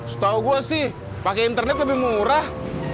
setahu gue sih pakai internet lebih murah